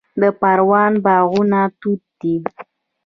د پروان باغونه توت دي